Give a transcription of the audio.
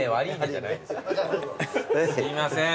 すいません。